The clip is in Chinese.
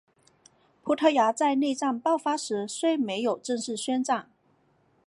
葡萄牙在内战爆发时虽没有正式宣战。